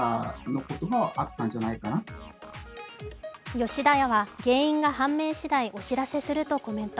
吉田屋は原因が判明しだいお知らせするとコメント。